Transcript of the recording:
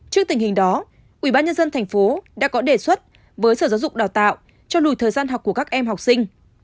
trước tình hình đó ủy ban nhân dân thành phố đã có đề xuất với sở giáo dục đào tạo cho lùi thời gian học của các em học sinh